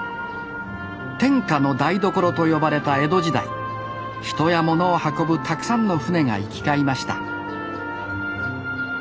天下の台所と呼ばれた江戸時代人や物を運ぶたくさんの舟が行き交いました